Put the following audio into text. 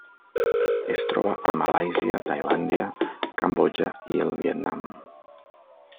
Es troba a Malàisia, Tailàndia, Cambodja i el Vietnam.